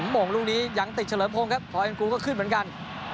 โมงลูกนี้ยังติดเฉลิมพงศ์ครับพอเอ็นกูก็ขึ้นเหมือนกัน